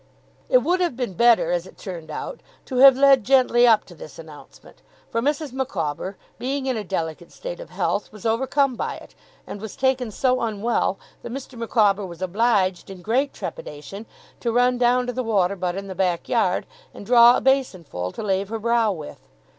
It would have been better, as it turned out, to have led gently up to this announcement, for Mrs. Micawber, being in a delicate state of health, was overcome by it, and was taken so unwell, that Mr. Micawber was obliged, in great trepidation, to run down to the water butt in the backyard, and draw a basinful to lave her brow with.